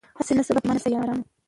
هسي نه سبا پښېمانه سی یارانو